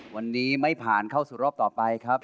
วันนี้ไม่ผ่านเข้าสู่รอบต่อไปครับ